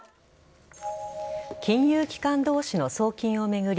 金融機関同士の送金を巡り